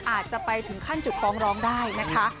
อาจจะไปถึงขั้นจุดฟ้องร้องได้นะคะ